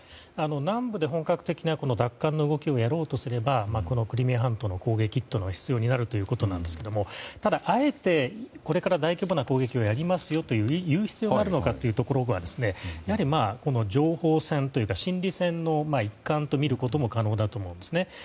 南部で本格的な奪還の動きをやろうとすればクリミア半島の攻撃は必要になるということですがただ、あえてこれから大規模な攻撃をやりますよと言う必要があるのかというとやはり、情報戦というか心理戦の一環とみることも可能だと思います。